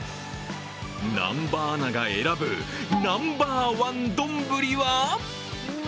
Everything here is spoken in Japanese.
南波アナが選ぶナンバーワン丼は？